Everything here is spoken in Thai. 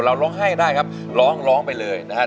เราร้องไห้ก็ได้ครับร้องไปเลยนะครับ